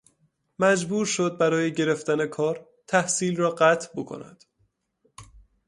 مجبور شد برای گرفتن کار تحصیل را قطع بکند.